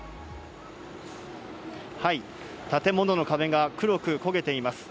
建物の壁が黒く焦げています。